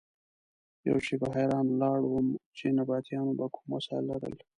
یوه شېبه حیران ولاړ وم چې نبطیانو به کوم وسایل لرل.